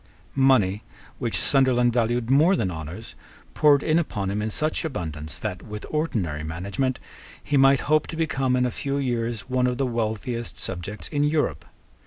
Money, which Sunderland valued more than honours, poured in upon him in such abundance that, with ordinary management, he might hope to become, in a few years, one of the wealthiest subjects in Europe.